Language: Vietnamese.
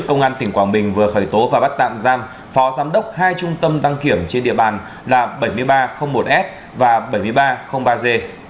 công an tỉnh quảng bình vừa khởi tố và bắt tạm giam phó giám đốc hai trung tâm đăng kiểm trên địa bàn là bảy nghìn ba trăm linh một s và bảy nghìn ba trăm linh ba g